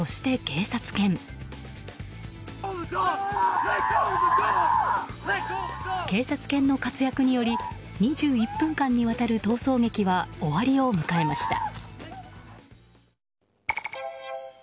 警察犬の活躍により２１分間にわたる逃走劇は終わりを迎えました。